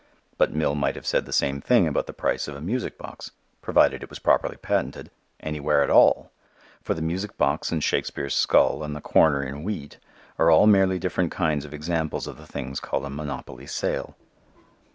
But Mill might have said the same thing about the price of a music box, provided it was properly patented, anywhere at all. For the music box and Shakespere's skull and the corner in wheat are all merely different kinds of examples of the things called a monopoly sale.